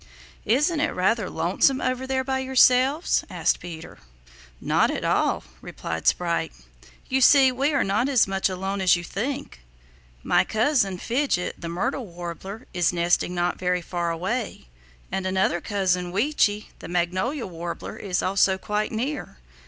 "Isn't it rather lonesome over here by yourselves?" asked Peter. "Not at all," replied Sprite. "You see, we are not as much alone as you think. My cousin, Fidget the Myrtle Warbler, is nesting not very far away, and another cousin Weechi the Magnolia Warbler is also quite near.